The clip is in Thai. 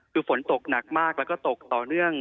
คือฝนตกหนักมากแล้วก็ตกต่อเนื่อง